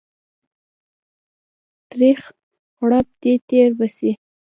تريخ غړپ دى تير به سي.